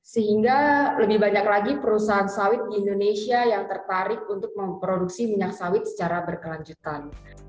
sehingga lebih banyak lagi perusahaan sawit di indonesia yang tertarik untuk memproduksi minyak sawit secara berkelanjutan